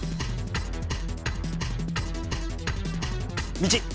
道。